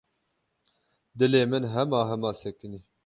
Dilê min hema hema sekinî.